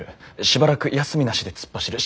しばらく休みなしで突っ走る。